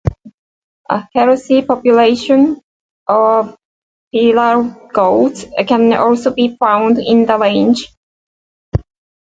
A healthy population of feral goats can also be found in the range.